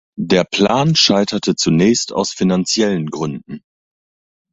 Der Plan scheiterte zunächst aus finanziellen Gründen.